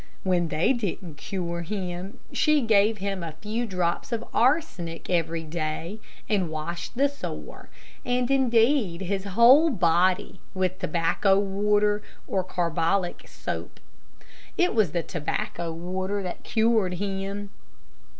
When they didn't cure him, she gave him a few drops of arsenic every day, and washed the sore, and, indeed his whole body, with tobacco water or carbolic soap. It was the tobacco water that cured him.